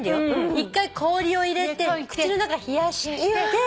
１回氷を入れて口の中冷やして。